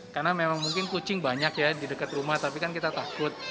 karena memang mungkin kucing banyak ya di dekat rumah tapi kan kita takut